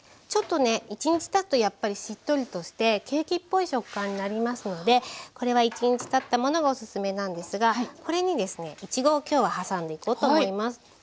ちょっとね１日たつとやっぱりしっとりとしてケーキっぽい食感になりますのでこれは１日たったものがオススメなんですがこれにですねいちごをきょうは挟んでいこうと思います。